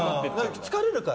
疲れるから、